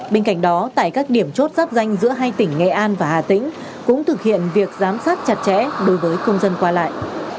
bên cạnh đó tại các điểm chốt giáp danh giữa hai tỉnh nghệ an và hà tĩnh cũng thực hiện việc giám sát chặt chẽ đối với công dân qua lại